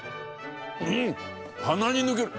うん鼻に抜ける！